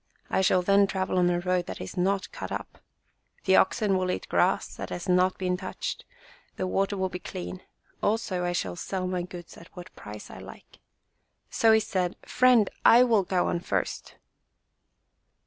I shall then travel on a road that is not cut up. The oxen will eat grass that has not been 44 WISE AND FOOLISH MERCHANT touched. The water will be clean. Also, I shall sell my goods at what price I like." So he said, "Friend, I will go on first."